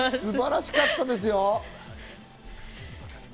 素晴らしかったですよ。